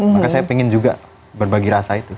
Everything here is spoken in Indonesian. maka saya ingin juga berbagi rasa itu